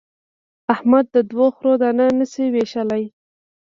احمد د دوو خرو دانه نه شي وېشلای.